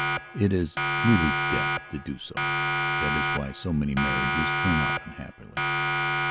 It is really death to do sothat is why so many marriages turn out unhappily.